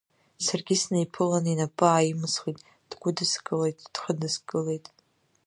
Саргьы снаиԥыҩлан, инапы ааимысхит, дгәыдыскылеит, дхыдыскылеит.